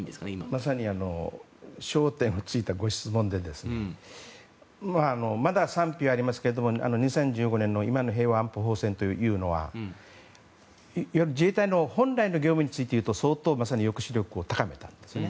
まさに焦点をついたご質問でまだ賛否ありますが２０１５年の今の平和安保法制というのは自衛隊の本来の業務についていうと相当抑止力を高めています。